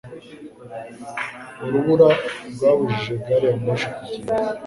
Urubura rwabujije gari ya moshi kugenda.